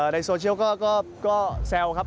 ในโซเชียลก็แซวครับ